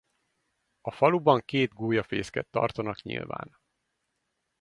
A faluban két gólyafészket tartanak nyilván.